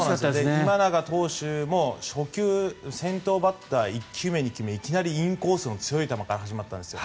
今永投手も初球、先頭バッター１球目、２球目いきなりインコースの強い球から始まったんですよ。